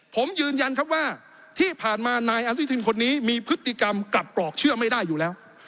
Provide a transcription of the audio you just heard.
ผมยืนยันครับว่าที่ผ่านมานายอนุทินคนนี้มีพฤติกรรมกลับกรอกเชื่อไม่ได้อยู่แล้ว